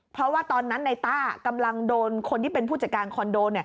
เพราะว่าตอนนั้นในต้ากำลังโดนคนที่เป็นผู้จัดการคอนโด